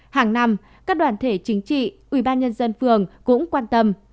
hàng năm các đoàn thể chính trị ubnd phường cũng quan tâm